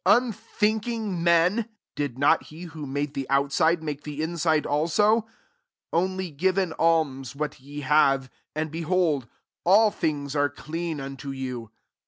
40 Unthmking men i did not he who made the outskle, make the inside also ? 41 Oaty give in alms what ye have ; and, behold, all things are clean unto you.